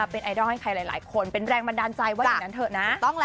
เป็นไอดอลให้ใครหลายคนเป็นแรงบันดาลใจว่าอย่างนั้นเถอะนะ